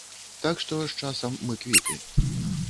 Так што з часам мы квіты.